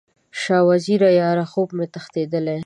شاه وزیره یاره، خوب مې تښتیدلی